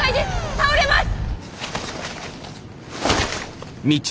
倒れます！